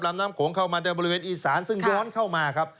น้ำโขงเข้ามาในบริเวณอีสานซึ่งย้อนเข้ามาครับ